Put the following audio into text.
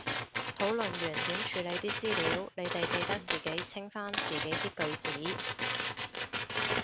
討論完點處理啲資料，你哋記得自己清返自己啲句子